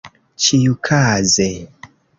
ĉiukaze